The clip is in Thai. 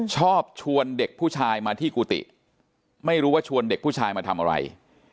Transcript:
ชอบชวนเด็กผู้ชายมาที่กุฏิไม่รู้ว่าชวนเด็กผู้ชายมาทำอะไร